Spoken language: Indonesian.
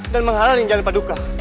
dan menghalangi jalan paduka